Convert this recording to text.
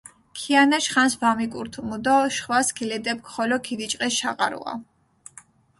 ქიანაშ ხანს ვამიკურთუმჷ დო შხვა სქილედეფქ ხოლო ქიდიჭყეს შაყარუა.